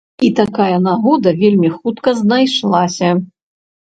І такая нагода вельмі хутка знайшлася.